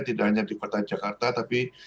tidak hanya di kota jakarta tapi